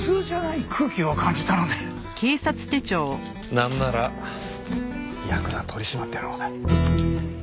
なんならヤクザ取り締まってるほうだ。